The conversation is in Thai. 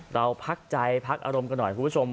เราพักใจพักอารมณ์กันหน่อยคุณผู้ชม